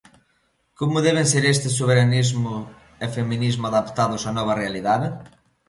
Como deben ser estes soberanismo e feminismo adaptados á nova realidade?